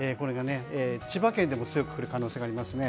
千葉県でも強く降る可能性があります。